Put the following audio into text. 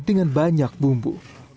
dengan banyak bumbu